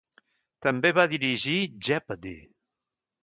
També va dirigir Jeopardy!